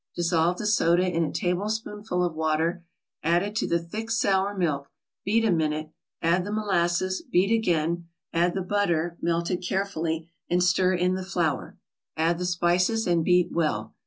Dissolve the soda in a tablespoonful of water, add it to the thick sour milk, beat a minute, add the molasses, beat again, add the butter, melted carefully, and stir in the flour; add the spices, and beat well.